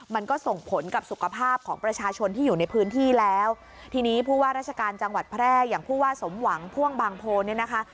มันก็ส่งผลกับสุขภาพของประชาชนที่อยู่ในพื้นที่แล้วทีนี้ผู้ว่าราชการจังหวัดแพร่อย่างผู้ว่าสมหวังพ่วงบางโพเนี่ยนะคะ